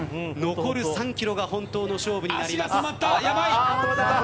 残る３キロが本当の勝負になります。